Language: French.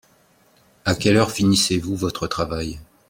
À quelle heure finissez-vous votre travail ?